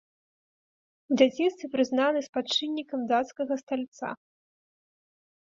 У дзяцінстве прызнаны спадчыннікам дацкага стальца.